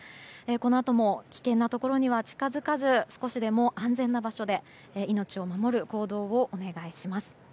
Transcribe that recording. このあとも危険なところには近づかず少しでも安全な場所で命を守る行動をお願いします。